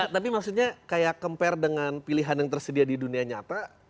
tapi maksudnya kayak compare dengan pilihan yang tersedia di dunia nyata